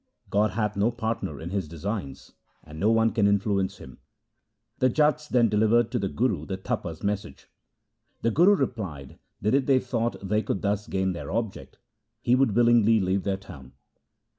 God hath no partner in His designs, and no one can influence Him.' The Jats then delivered to the Guru the Tapa's message. The Guru replied that if they thought they could thus gain their object, he would willingly leave their town.